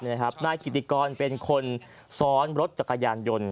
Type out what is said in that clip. นายกิติกรเป็นคนซ้อนรถจักรยานยนต์